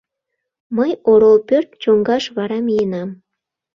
Мый орол пӧрт чоҥгаш вара миенам.